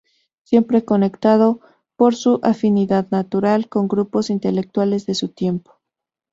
Siempre conectado, por su afinidad natural, con grupos intelectuales de su tiempo.